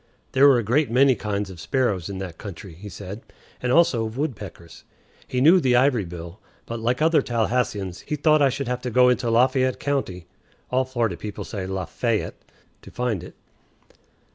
There were a great many kinds of sparrows in that country, he said, and also of woodpeckers. He knew the ivory bill, but, like other Tallahasseans, he thought I should have to go into Lafayette County (all Florida people say La_fay_ette) to find it.